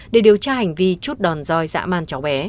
để điều tra hành vi chút đòn roi dã man